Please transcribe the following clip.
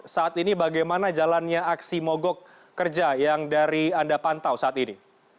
saat ini bagaimana jalannya aksi mogok kerja yang dari anda pantau saat ini